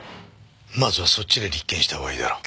まずはそっちで立件したほうがいいだろう。